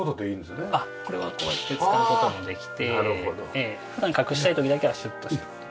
これはこうやって使う事もできて隠したい時だけはシュッとしておくと。